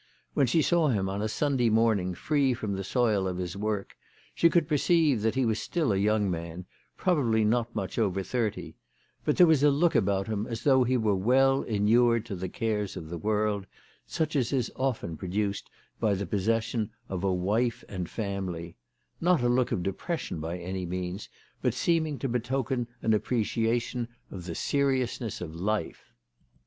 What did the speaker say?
When she saw him on a Sunday morn ing free from the soil of his work, she could perceive that he was still a young man, probably not much over thirty ; but there was a look about him as though he were well inured to the" cares of the world, such as is often produced by the possession of a wife and family, not a look of depression by any means, but seeming to betoken an appreciation of the seriousness of life. 278 THE TELEGRAPH GIRL.